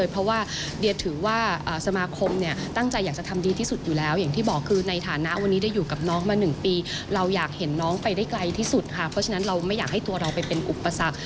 เพราะฉะนั้นเราไม่อยากให้ตัวเราไปเป็นอุปสรรค